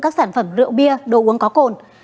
các sản phẩm rượu bia đồ uống có cồn